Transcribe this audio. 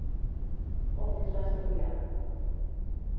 On més va estudiar?